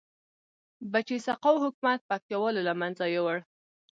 بچه سقاو حکومت پکتيا والو لمنځه یوړ